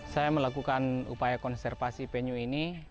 saya melakukan upaya konservasi penyu ini